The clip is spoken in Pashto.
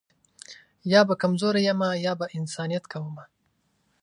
یا به کمزوری یمه یا به انسانیت کومه